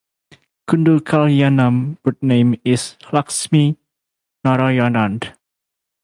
Gundu Kalyanam birth name is Lakshmi Narayanan.